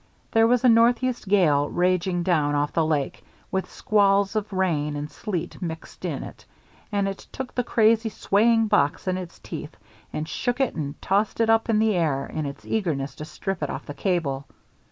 There was a northeast gale raging down off the lake, with squalls of rain and sleet mixed up in it, and it took the crazy, swaying box in its teeth and shook it and tossed it up in the air in its eagerness to strip it off the cable.